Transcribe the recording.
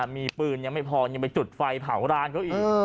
มีปืนยังไม่พอยังไปจุดไฟเผาร้านเขาอีก